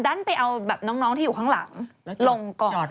ดันไปเอาน้องที่อยู่ข้างหลัง